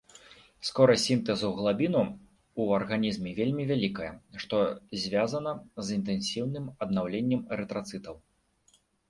Скорасць сінтэзу глабіну ў арганізме вельмі вялікая, што звязана з інтэнсіўным аднаўленнем эрытрацытаў.